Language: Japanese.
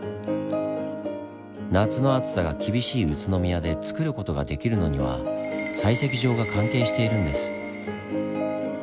夏の暑さが厳しい宇都宮でつくる事ができるのには採石場が関係しているんです。